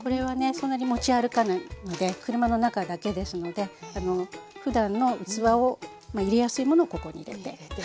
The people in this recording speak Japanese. そんなに持ち歩かないので車の中だけですのでふだんの器を入れやすいものをここに入れて。